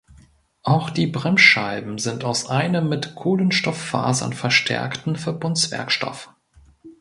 Auch die Bremsscheiben sind aus einem mit Kohlenstofffasern verstärkten Verbundwerkstoff.